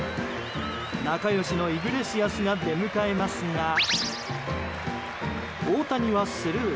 仲良しのイグレシアスが出迎えますが大谷はスルー。